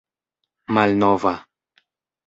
malnova